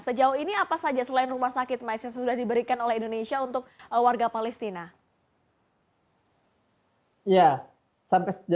sejauh ini apa saja selain rumah sakit yang sudah diberikan oleh indonesia untuk warga palestina